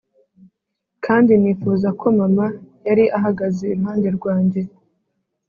kandi nifuza ko mama yari ahagaze iruhande rwanjye,